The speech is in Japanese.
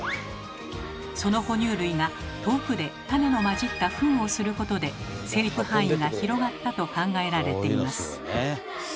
その哺乳類が遠くで種の混じったフンをすることで生育範囲が広がったと考えられています。